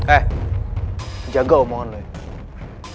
eh jaga omongan loh ya